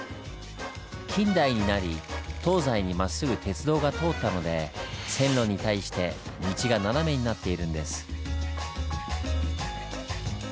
近代になり東西にまっすぐ鉄道が通ったので線路に対して道がナナメになっているんです。